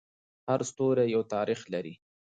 هر ستوری یو تاریخ لري.